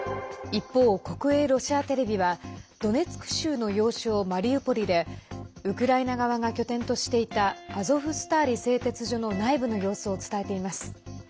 一方、国営ロシアテレビはドネツク州の要衝マリウポリでウクライナ側が拠点としていたアゾフスターリ製鉄所の内部の様子を伝えています。